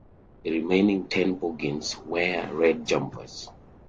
The remaining ten Boggins wear red jumpers.